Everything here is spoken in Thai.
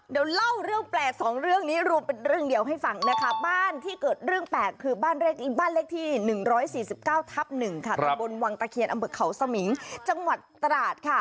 เดี๋ยวเล่าเรื่องแปลกสองเรื่องลมเป็น๓๑แล้วบ้านที่เกิดเรื่องแปลกคือบ้านเลข๑๑๔๑๑บริเทียนอำเมิกเขาสมิงจังหวัดตราด